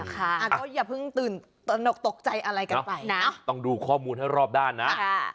ก็อย่าเพิ่งตื่นตนกตกใจอะไรกันไปนะต้องดูข้อมูลให้รอบด้านนะ